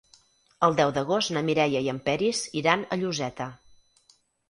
El deu d'agost na Mireia i en Peris iran a Lloseta.